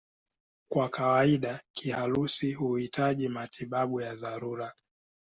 Kwa kawaida kiharusi huhitaji matibabu ya dharura.